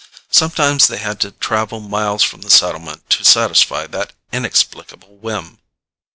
Sometimes they had to travel miles from the settlement to satisfy that inexplicable whim.